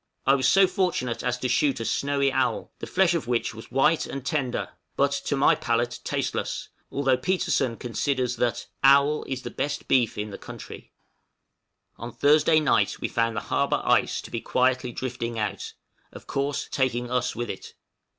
I was so fortunate as to shoot a snowy owl, the flesh of which was white and tender, but, to my palate, tasteless, although Petersen considers that "owl is the best beef in the country." {OUT OF WINTER QUARTERS.} On Thursday night we found the harbor ice to be quietly drifting out, of course taking us with it.